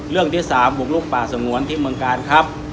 เรื่องที่๓บุกลุกป่าสงวนที่เมืองกาลครับ